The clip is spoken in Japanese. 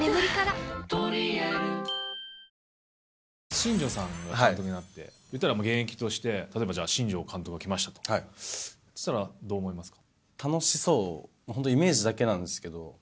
新庄さんが監督になって現役として例えば新庄監督が来ましたそしたらどう思いますか？